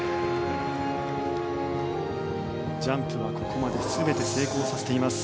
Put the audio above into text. ジャンプはここまで全て成功させています。